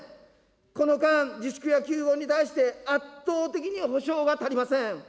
この間、自粛や休業に対して、圧倒的に補償が足りません。